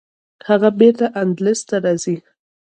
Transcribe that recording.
هغه بیرته اندلس ته راځي.